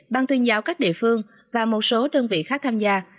ban tuyên giáo các địa phương và một số đơn vị khác tham gia